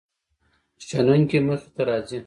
شنونکو مخې ته راځي.